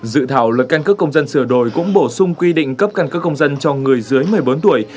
dự thảo lực căn cấp công dân sửa đổi cũng bổ sung quy định cấp căn cấp công dân cho người dưới một mươi bốn tuổi